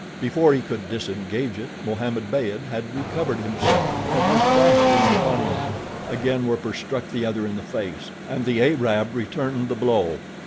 Before he could disengage it, Mohammed Beyd had recovered himself and was dashing upon him. Again Werper struck the other in the face, and the Arab returned the blow.